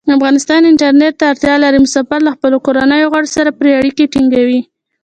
افغانستان انټرنیټ ته اړتیا لري. مسافر له خپلو کورنیو غړو سره پری اړیکې ټینګوی.